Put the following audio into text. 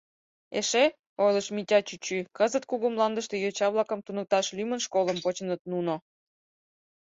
Эше, ойлыш Митя чӱчӱ, кызыт Кугу Мландыште йоча-влакым туныкташ лӱмын школым почыныт, нуно...